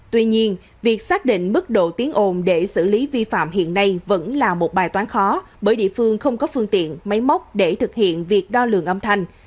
tuy nhiên việc xác định mức độ tiếng ồn để xử lý vi phạm hiện nay vẫn là một bài toán khó bởi địa phương không có phương tiện máy móc để thực hiện việc đo lường âm thanh